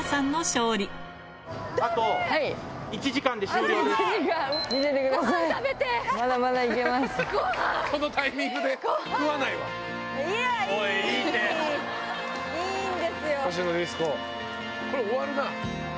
これ終わるな。